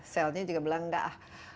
selnya juga bilang nggak